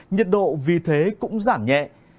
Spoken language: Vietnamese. nhiệt độ vì thế cũng giảm nhẹ